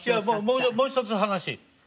もう一つ話。